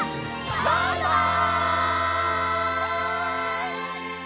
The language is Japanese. バイバイ！